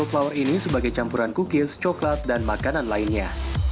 flower ini sebagai campuran cookies coklat dan makanan lainnya